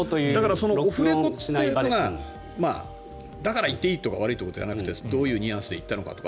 そのオフレコというのがだから言っていいとか悪いということじゃなくてどういうニュアンスで言ったのかとか。